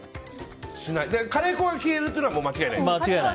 カレー粉が消えるのは間違いない。